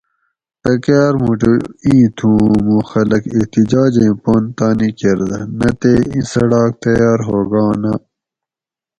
پکار موٹو ایں تھو اوں موُں خلک احتجاجیں پن تانی کۤردہ نہ تے ایں څڑاک تیار ہوگاں نہ